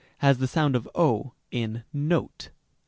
l. has the sound of 0 in note.